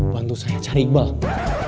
bantu saya cari iqbal